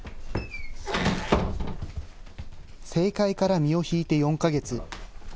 政界から身を引いて４か月。